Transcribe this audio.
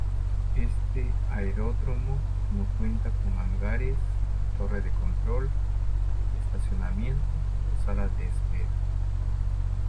Este aeródromo no cuenta con hangares, torre de control, estacionamiento o sala de espera.